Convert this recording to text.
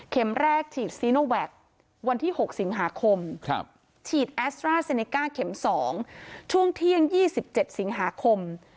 แรกฉีดซีโนแวควันที่๖สิงหาคมฉีดแอสตราเซเนก้าเข็ม๒ช่วงเที่ยง๒๗สิงหาคม